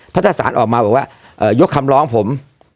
เพราะถ้าสารออกมาบอกว่ายกคำร้องผม